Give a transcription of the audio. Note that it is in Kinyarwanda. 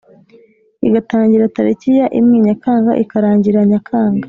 igatangira taliki ya imwe nyakanga ikarangira nyakanga